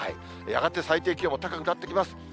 やがて最低気温も高くなってきます。